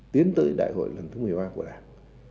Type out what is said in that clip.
tiến tới đại hội lần thứ một mươi ba của đảng